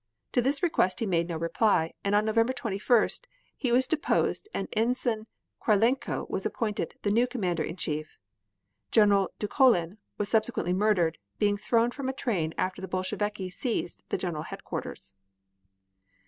To this request he made no reply, and on November 21st, he was deposed and Ensign Krylenko was appointed the new Commander in Chief. General Dukholin was subsequently murdered, by being thrown from a train after the Bolsheviki seized the general headquarters.